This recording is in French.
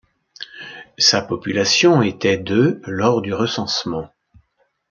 Sa population était de lors du recensement.